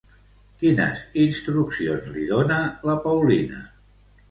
Quines instruccions li dona la Paulina?